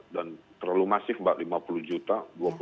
dan terlalu masif lima puluh juta dua puluh tujuh